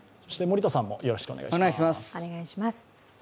森田さんもよろしくお願いします。